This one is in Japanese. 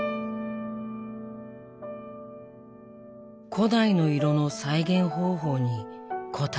古代の色の再現方法に答えはない。